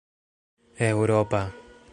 eŭropa